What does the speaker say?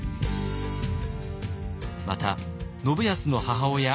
また信康の母親